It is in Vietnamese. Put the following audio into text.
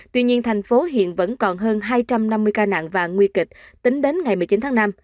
tuy nhiên thành phố hiện vẫn còn hơn hai trăm năm mươi ca nạn vàng nguy kịch tính đến ngày một mươi chín tháng năm